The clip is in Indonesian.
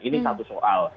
ini satu soal